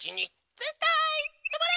ぜんたいとまれ！